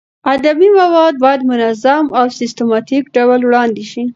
ادبي مواد باید په منظم او سیستماتیک ډول وړاندې شي.